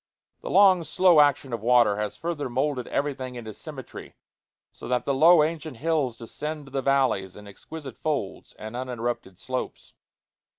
The long, slow action of water has further moulded everything into symmetry, so that the low ancient hills descend to the valleys in exquisite folds and uninterrupted slopes.